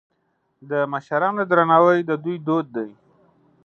د مشرانو درناوی د دوی دود دی.